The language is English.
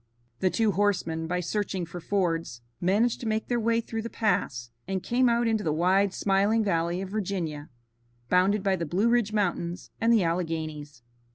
The two horsemen, by searching for fords, managed to make their way through the pass, and came out into the wide, smiling valley of Virginia, bounded by the Blue Ridge Mountains and the Alleghanies.